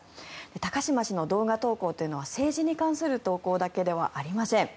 高島氏の動画投稿というのは政治に関する投稿だけではありません。